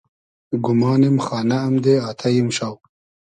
گومانیم خانۂ امدې آتݷ ایمشاو